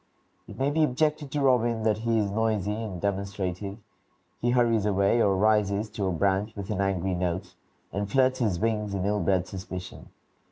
It may be objected to Robin that he is noisy and demonstrative; he hurries away or rises to a branch with an angry note, and flirts his wings in ill bred suspicion.